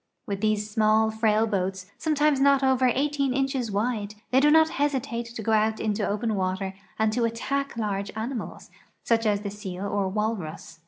With these small, frail boats, sometimes not over 18 inches wide, they do not hesitate to go out into open water and to attack large animals, such as the seal or walrus.